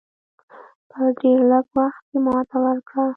په ډېر لږ وخت کې ماته ورکړه.